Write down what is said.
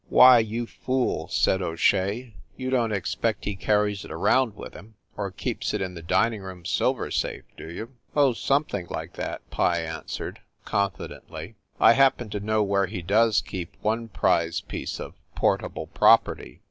"Why, you fool," said O Shea, "you don t expect he carries it around with him, or keeps it in the dining room silver safe, do you?" "Oh, something like that," Pye answered, confi dently. "I happen to know where he does keep one prize piece of portable property."